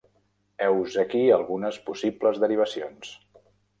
Heus aquí algunes possibles derivacions.